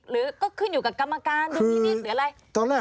หรือก็ขึ้นอยู่กับกรรมการหรืออะไร